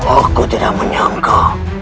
aku tidak menyangka